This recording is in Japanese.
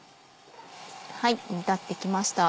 はい煮立ってきました。